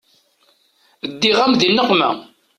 Ddiɣ-am di nneqma.